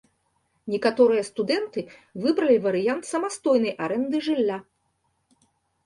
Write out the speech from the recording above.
Некаторыя студэнты выбралі варыянт самастойнай арэнды жылля.